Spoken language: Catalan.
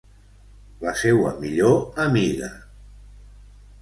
La seua millor amiga...